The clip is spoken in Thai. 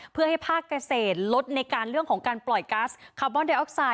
เพื่อให้ภาคเกษตรลดในการเรื่องของการปล่อยกัสคาร์บอนไดออกไซด